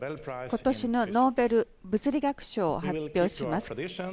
今年のノーベル物理学賞を発表します。